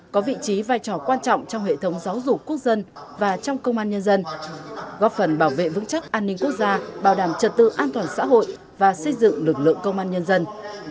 có vị trí vai trò quan trọng trong hệ thống giáo dục quốc dân và trong công an nhân dân góp phần bảo vệ vững chắc an ninh quốc gia bảo đảm trật tự an toàn xã hội và xây dựng lực lượng công an nhân dân